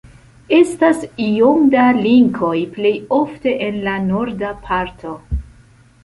Estas iom da linkoj, plejofte en la norda parto.